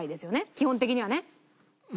基本的にはね。